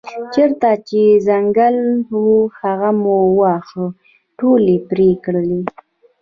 چېرته چې ځنګل و هغه مو وواهه ټول یې پرې کړل.